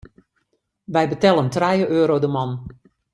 Wy betellen trije euro de man.